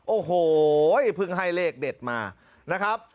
โอ้โหเพิ่งให้เลขเด็ดมานะครับ